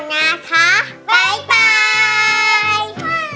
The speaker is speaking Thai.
โปรดติดตามตอนต่อไป